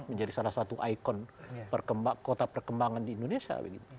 menjadi salah satu ikon kota perkembangan di indonesia